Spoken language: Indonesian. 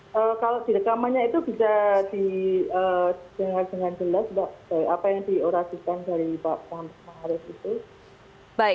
jadi kalau di rekamannya itu bisa di dengar dengan jelas mbak apa yang di orasikan dari pak selamat marih itu